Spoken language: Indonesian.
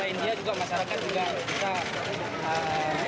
selain dia juga masyarakat juga bisa